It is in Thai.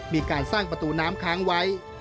มีการสร้างประตูน้ำค้างไว้